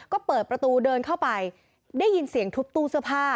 ก็เปิดประตูเดินเข้าไปได้ยินเสียงทุบตู้เสื้อผ้า